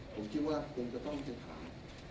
ผมคิดว่าคุณก็ต้องจะถาม